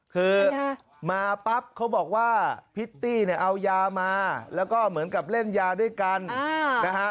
คือมาปั๊บเขาบอกว่าพิตตี้เนี่ยเอายามาแล้วก็เหมือนกับเล่นยาด้วยกันนะฮะ